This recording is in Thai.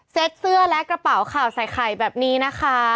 เสื้อและกระเป๋าข่าวใส่ไข่แบบนี้นะคะ